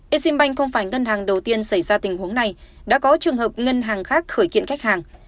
exim bank không phải ngân hàng đầu tiên xảy ra tình huống này đã có trường hợp ngân hàng khác khởi kiện khách hàng